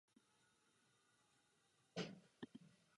Je autorkou několika katalogů výstav této sbírky.